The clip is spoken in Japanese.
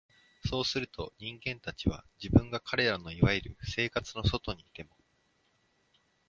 そうすると、人間たちは、自分が彼等の所謂「生活」の外にいても、